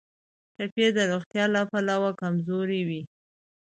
ټپي د روغتیا له پلوه کمزوری وي.